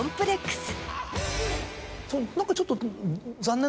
何かちょっと。